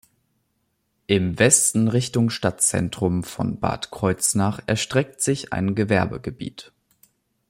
Im Westen Richtung Stadtzentrum von Bad Kreuznach erstreckt sich ein Gewerbegebiet.